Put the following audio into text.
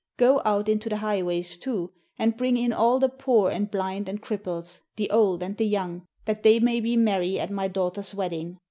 Go out into the highways too, and bring in all the poor and blind and cripples, the old and the young, that they may be merry at my daughter's wedding.